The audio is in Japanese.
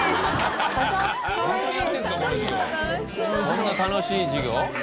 こんな楽しい授業？